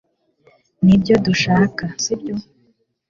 nibyo dushaka, sibyo